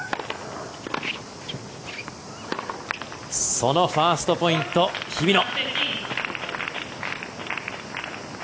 そのファーストポイント、日比野。